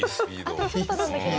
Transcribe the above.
あとちょっとなんだけどな。